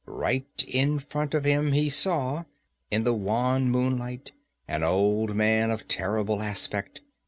Right in front of him he saw, in the wan moonlight, an old man of terrible aspect.